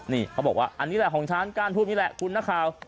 นี่เขาบอกว่าอันนี้แหละของฉันการพูดนี่แหละคุณนักข่าว